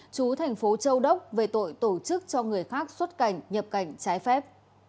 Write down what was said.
chú thành phố châu đốc về tội tổ chức cho người khác xuất cảnh nhập cảnh trái phép